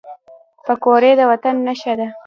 پکورې د وطن نښه ده